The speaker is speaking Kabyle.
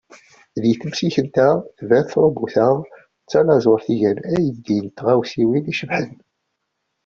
Di temsikent-a, tban-d trubut-a d tanaẓurt i d-igan ayendin d tiɣawsiwin icebḥen.